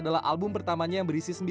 dalam album ini banyak dipuji